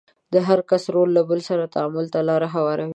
د هر کس رول له بل سره تعامل ته لار هواروي.